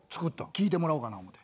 聴いてもらおうかな思うて。